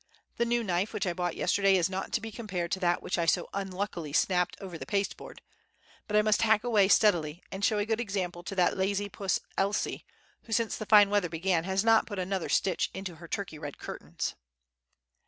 The new knife which I bought yesterday is not to be compared to that which I so unluckily snapped over the pasteboard; but I must hack away steadily, and show a good example to that lazy puss Elsie, who since the fine weather began has not put another stitch into her Turkey red curtains."